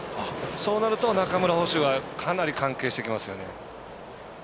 そうなると中村捕手がかなり関係してきますよね。